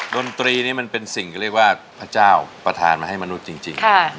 ดนตรีนี่มันเป็นสิ่งเรียกว่าพระเจ้าประธานมาให้มนุษย์จริง